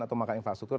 atau makan infrastruktur